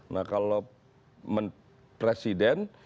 nah kalau presiden